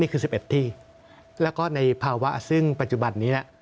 นี่คือสิบเอ็ดที่แล้วก็ในภาวะซึ่งปัจจุบันนี้น่ะ